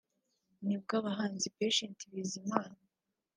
nibwo abahanzi Patient Bizimana